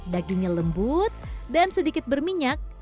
dagingnya lembut dan sedikit berminyak